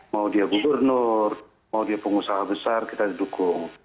mau dia gubernur mau dia pengusaha besar kita didukung